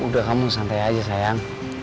udah kamu santai aja sayang